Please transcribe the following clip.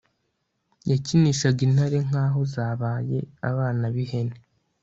yakinishaga intare nk'aho zabaye abana b'ihene